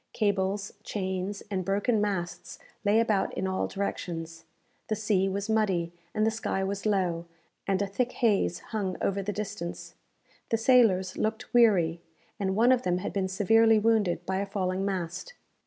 Cables, chains, and broken masts lay about in all directions. The sea was muddy, and the sky was low, and a thick haze hung over the distance. The sailors looked weary, and one of them had been severely wounded by a falling mast.